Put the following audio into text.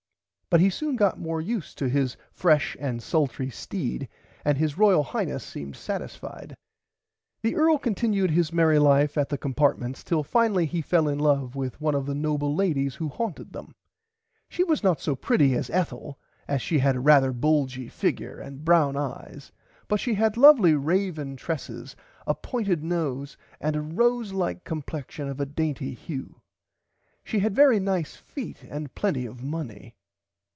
But he soon got more used to his fresh and sultry steed and His Royal Highness seemed satisfide. The Earl continued his merry life at the [Pg 103] Compartments till finally he fell in love with one of the noble ladies who haunted them. She was not so pretty as Ethel as she had rarther a bulgy figure and brown eyes but she had lovely raven tresses a pointed nose and a rose like complexion of a dainty hue. She had very nice feet and plenty of money.